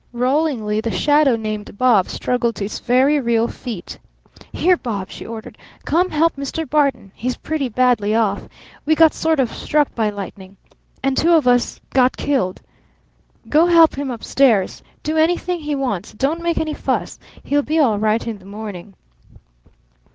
Rollingly the shadow named "Bob" struggled to its very real feet. "Here, Bob!" she ordered. "Come help Mr. Barton. He's pretty badly off. We got sort of struck by lightning. And two of us got killed. Go help him up stairs. Do anything he wants. But don't make any fuss. He'll be all right in the morning."